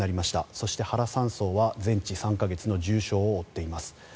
そして原３曹は全治３か月の重傷を負っています。